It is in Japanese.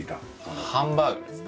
ハンバーグですね。